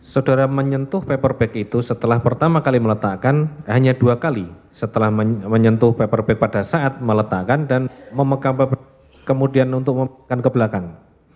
saudara menyentuh paper bag itu setelah pertama kali meletakkan hanya dua kali setelah menyentuh paper bag pada saat meletakkan dan memegang kemudian untuk memegang ke belakang